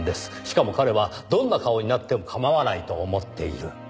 しかも彼はどんな顔になっても構わないと思っている。